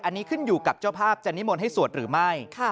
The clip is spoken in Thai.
อันนี้ขึ้นอยู่กับเจ้าภาพจะนิมนต์ให้สวดหรือไม่